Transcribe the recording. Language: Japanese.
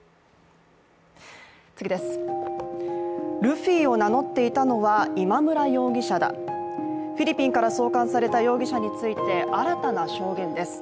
次です、ルフィを名乗っていたのは今村容疑者だ、フィリピンから送還された容疑者について新たな証言です。